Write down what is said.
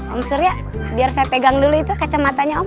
om surya biar saya pegang dulu itu kacamatanya om